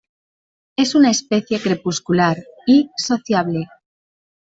Es una especie crepuscular, y sociable.